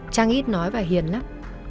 trang ít nói và hiền lắm